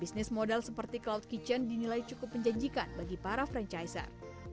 bisnis modal seperti cloud kitchen dinilai cukup menjanjikan bagi para franchizer